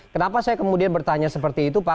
kenapa saya kemudian bertanya seperti itu pak